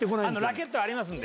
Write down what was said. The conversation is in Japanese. ラケットありますんで。